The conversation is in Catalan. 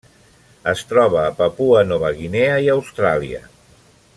Es troba a Papua Nova Guinea i a Austràlia.